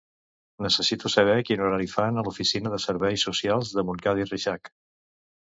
Necessito saber quin horari fan a l'oficina de serveis socials de Montcada i Reixac.